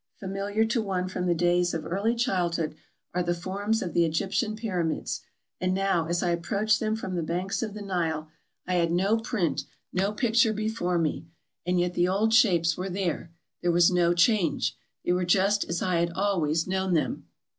Familiar to one from the days of early childhood are the forms of the Egyptian Pyramids, and now, as I approached them from ASIA 329 the banks of the Nile, I had no print, no picture before me, and yet the old shapes were there; there was no change; they were just as I had always known them.